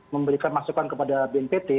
memberikan masukan kepada bnpt